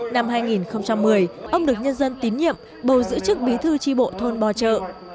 năm hai nghìn một mươi ông được nhân dân tín nhiệm bầu giữ chức bí thư tri bộ thôn bò trợ